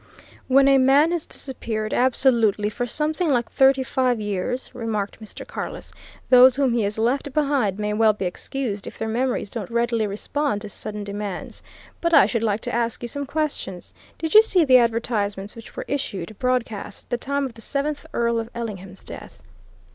"When a man has disappeared absolutely for something like thirty five years," remarked Mr. Carless, "those whom he has left behind may well be excused if their memories don't readily respond to sudden demands. But I should like to ask you some questions? Did you see the advertisements which were issued, broadcast, at the time of the seventh Earl of Ellingham's death?"